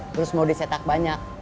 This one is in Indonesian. terus mau disetak banyak